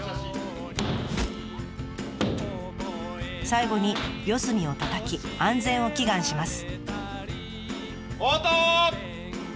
最後に四隅をたたき安全を祈願します。